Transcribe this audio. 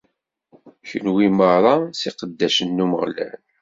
Kunwi merra, s yiqeddacen n Umeɣlal.